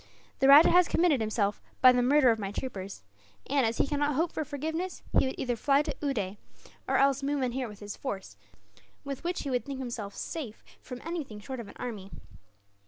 The rajah has committed himself, by the murder of my troopers and, as he cannot hope for forgiveness, he would either fly to Oude, or else move in here with his force, with which he would think himself safe from anything short of an army.